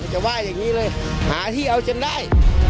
จะว่าอย่างนี้เลยหาที่เอาจนได้